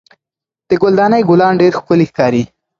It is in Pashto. د ګل دانۍ ګلان ډېر ښکلي ښکاري.